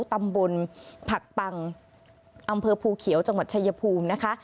ตำบลผักปังอำเภอภูเขียวจังหวัดชายภูมินะคะ